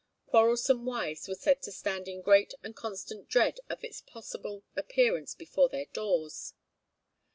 Quarrelsome wives were said to stand in great and constant dread of its possible appearance before their doors.